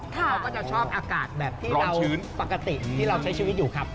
เขาก็จะชอบอากาศแบบที่เราชื้นปกติที่เราใช้ชีวิตอยู่ครับ